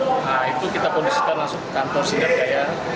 nah itu kita kondisikan langsung ke kantor sindang kaya